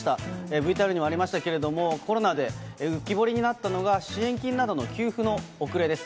ＶＴＲにもありましたけれども、コロナで浮き彫りになったのが、支援金などの給付の遅れです。